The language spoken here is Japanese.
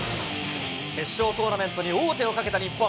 決勝トーナメントに王手をかけた日本。